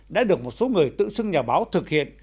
đã được một số người tự xưng nhà báo thực hiện